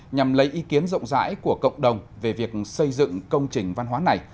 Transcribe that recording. nhằm lấy ý kiến rộng rãi của cộng đồng về việc xây dựng công trình văn hóa này